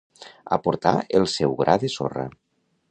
Aportar el seu gra de sorra.